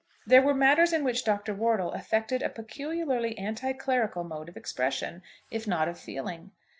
There were matters in which Dr. Wortle affected a peculiarly anti clerical mode of expression, if not of feeling.